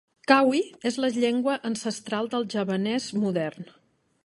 Kawi és la llengua ancestral del javanès modern.